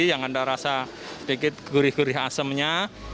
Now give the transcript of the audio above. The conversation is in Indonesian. yang anda rasa sedikit gurih gurih asemnya